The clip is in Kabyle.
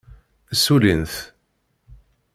Ssulin-t.